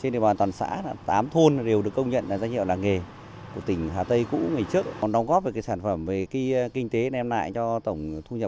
làng nghề xã phú túc thì trên địa bàn toàn xã tám thôn đều được công nhận là doanh nghiệp làng nghề